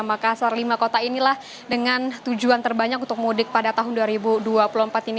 makassar lima kota inilah dengan tujuan terbanyak untuk mudik pada tahun dua ribu dua puluh empat ini